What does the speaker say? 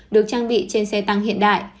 được trang bị trên xe tăng hiện đại